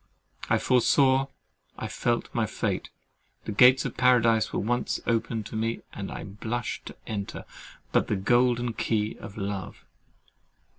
I foresaw, I felt my fate. The gates of Paradise were once open to me too, and I blushed to enter but with the golden keys of love!